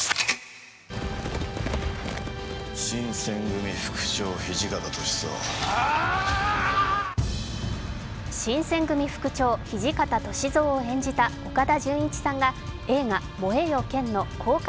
新選組副長・土方歳三を演じた岡田准一さんが映画「燃えよ剣」の公開